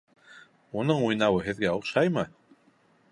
Уның уйнауы һеҙгә оҡшаймы?